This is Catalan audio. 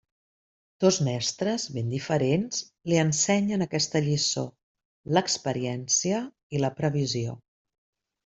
Dos mestres, ben diferents, li ensenyen aquesta lliçó: l'experiència i la previsió.